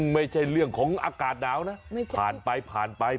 ไม่ใช่เรื่องของอากาศดาวนะผ่านไป